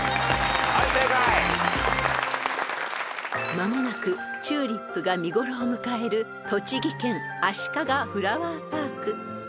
［間もなくチューリップが見頃を迎える栃木県あしかがフラワーパーク］